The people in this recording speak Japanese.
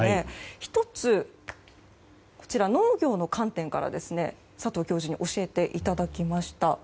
１つ、農業の観点から佐藤教授に教えていただきました。